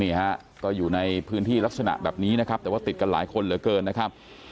นี่ฮะก็อยู่ในพื้นที่ลักษณะแบบนี้นะครับแต่ว่าติดกันหลายคนเหลือเกินนะครับ